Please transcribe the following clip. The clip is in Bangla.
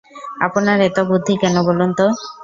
আপনার এত বুদ্ধি কেন বলুন তো?